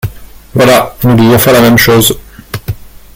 Voilà, nous devons faire la même chose.